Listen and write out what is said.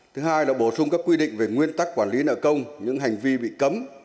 thứ hai là bổ sung các quy định về nguyên tắc quản lý nợ công những hành vi bị cấm